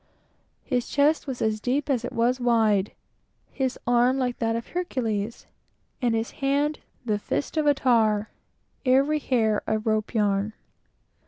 His chest was as deep as it was wide; his arm like that of Hercules; and his hand "the fist of a tar every hair a rope yarn."